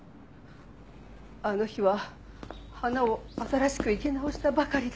あの日は花を新しく生け直したばかりで。